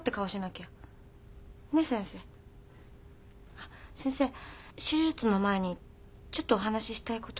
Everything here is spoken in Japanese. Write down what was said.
あっ先生手術の前にちょっとお話ししたいことがあるんです。